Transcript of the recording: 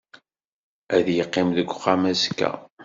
Ad iqqim deg uxxam azekka.